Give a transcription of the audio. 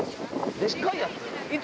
でっかいやつ？